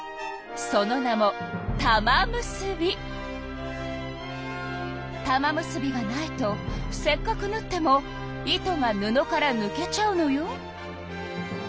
その名も玉結びがないとせっかくぬっても糸が布からぬけちゃうのよ。